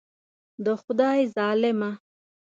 د خدای ظالمه.